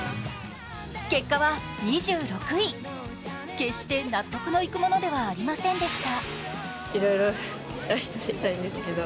決して納得のいくものではありませんでした